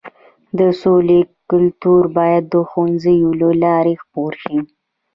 د سولې کلتور باید د ښوونځیو له لارې خپور شي.